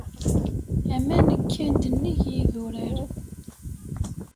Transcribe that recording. Aman kkan-d nnig yidurar.